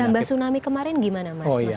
menambah tsunami kemarin gimana mas